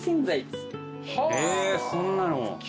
へぇそんなの。